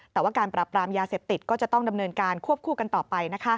แต่ว่าการปรับปรามยาเสพติดก็จะต้องดำเนินการควบคู่กันต่อไป